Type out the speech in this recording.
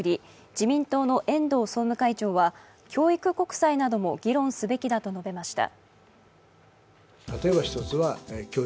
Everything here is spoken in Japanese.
自民党の遠藤総務会長は教育国債なども議論すべきだと述べました。